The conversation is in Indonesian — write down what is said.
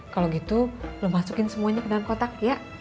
kalau gitu belum masukin semuanya ke dalam kotak ya